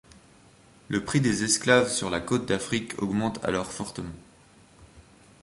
Le prix des esclaves sur la Côte d'Afrique augmente alors fortement.